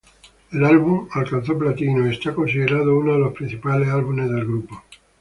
El álbum alcanzó platino y es considerado uno de los principales álbumes del grupo.